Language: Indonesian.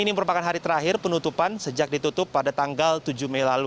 ini merupakan hari terakhir penutupan sejak ditutup pada tanggal tujuh mei lalu